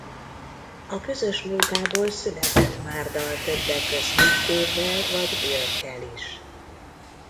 A közös munkából született már dal többek közt Nick Cave-vel vagy Björkkel is.